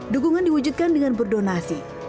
dukungan diwujudkan dengan berdonasi